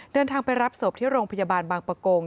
เดินทางไปรับศพที่โรงพยาบาลบางประกง